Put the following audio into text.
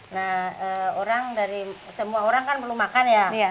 nah orang dari semua orang kan perlu makan ya